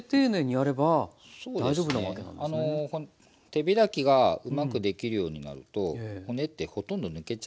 手開きがうまくできるようになると骨ってほとんど抜けちゃうんで。